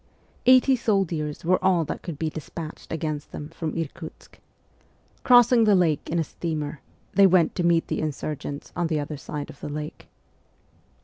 Eighty soldiers were all that could be despatched against them from Irkutsk. Crossing the lake in a steamer, they went to meet the insurgents on the other side of the lake.